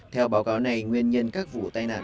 theo báo cáo này nguyên nhân các vụ tai nạn